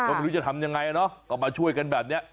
ก็ไม่รู้จะทำยังไงเนอะก็มาช่วยกันแบบนี้